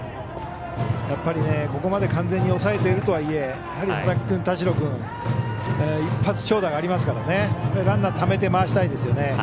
やっぱり、ここまで完全に抑えているとはいえやはり佐々木君、田代君一発長打がありますからランナーためて回したいですよね。